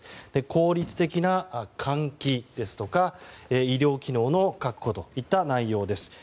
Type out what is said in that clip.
効率的な換気ですとか医療機能の確保といった内容です。